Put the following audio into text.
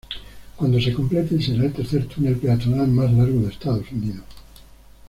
Cuando se complete, será el tercer túnel peatonal más largo de Estados Unidos.